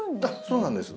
そうなんです。